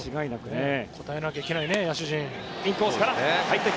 応えなきゃいけないね野手陣。